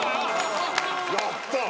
やった。